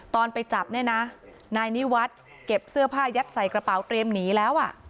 ตอนไปจับเนี่ยนะนายนิวัฒน์เก็บเสื้อผ้ายัดใส่กระเป๋าเตรียมหนีแล้ว